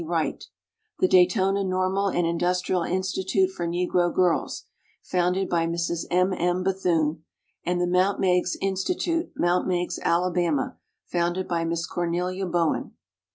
Wright; the Daytona Normal and Industrial Institute for Negro Girls, founded by Mrs. M. M. Bethune; and the Mt. Meigs Institute, Mt. Meigs, Alabama, founded by Miss Cornelia Bowen.